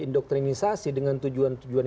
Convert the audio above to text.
doktrinisasi dengan tujuan tujuan